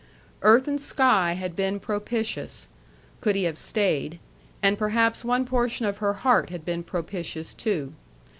Earth and sky had been propitious, could he have stayed; and perhaps one portion of her heart had been propitious too.